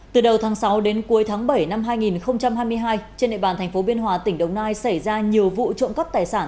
từ đầu tháng sáu đến cuối tháng bảy năm hai nghìn hai mươi hai trên địa bàn thành phố biên hòa tỉnh đồng nai xảy ra nhiều vụ trộm cắp tài sản